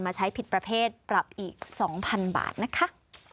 ใช้ผิดประเภทปรับอีก๒๐๐๐บาทนะคะ